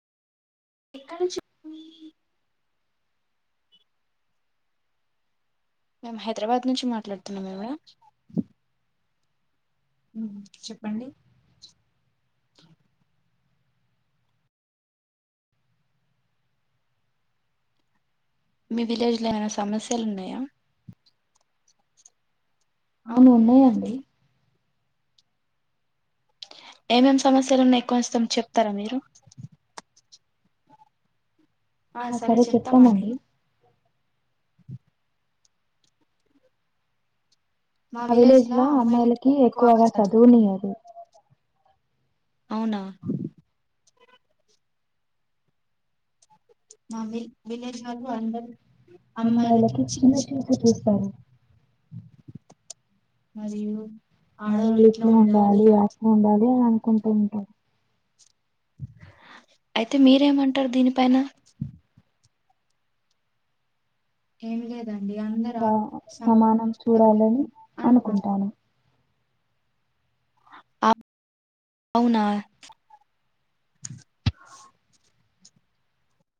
ఎక్క నుంచి మెమ్ హై హైదరాబాద్ నుంచి మాట్లాడుతున్నా మా చెప్పండి మీ విలేజ్ లో ఏమైనా సమస్యలు ఉన్నాయా అవును ఉన్నాయండి ఎమ్ ఎమ్ సమాస్యలునై కోసం చెప్తారా మిరు ఆ సరే చెప్తామండి మా విలేజ్ అమ్మాయిలకి ఎక్కువగా చదువు అవునా విలేజ్ వాళ్ళు అందరు అమ్మాయిలకి చిన్న చూపు చూస్తారు ఆడవాళ్ళు ఇట్లా ఉండాలి ఆట్లా ఉండాలి అని అనుకుంటూ ఉంటారు అయితే మీరేమంటారు దీని ఏం లేదండి అందర సమానం చూడాలని అనుకుంటాను అ అవునా